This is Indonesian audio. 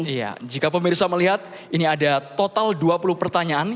iya jika pemirsa melihat ini ada total dua puluh pertanyaan